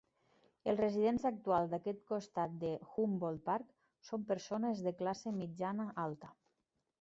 Els residents actuals d'aquest costat de Humboldt Park són persones de classe mitjana-alta.